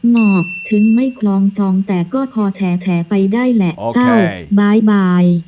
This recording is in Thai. หมอกถึงไม่คลองจองแต่ก็พอแท้ไปได้แหละเอ้าบ๊ายบาย